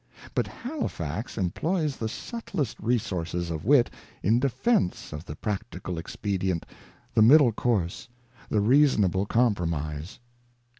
But Halifax employs the subtlest resources of wit in defence of the practical expedient, the middle course, the reason able compromise.